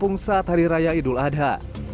pung saat hari raya idul adha